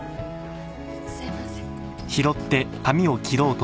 すいません。